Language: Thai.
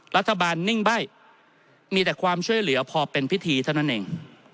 นิ่งใบ้มีแต่ความช่วยเหลือพอเป็นพิธีเท่านั้นเอง